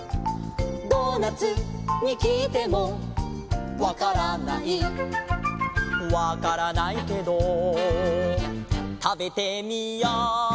「ドーナツに聞いてもわからない」「わからないけど食べてみよう」